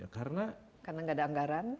karena nggak ada anggaran